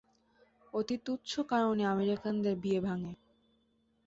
অতি তুচ্ছ কারণে আমেরিকানদের বিয়ে ভাঙে।